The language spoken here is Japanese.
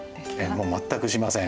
もう全くしません。